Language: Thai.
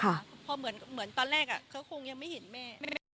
เพราะเหมือนตอนแรกเขาคงยังไม่เห็นแม่